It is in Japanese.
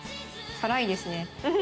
辛いですね。